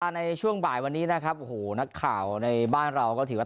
ในช่วงบ่ายวันนี้นะครับโอ้โหนักข่าวในบ้านเราก็ถือว่า